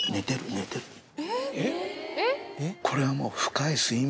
これはもう。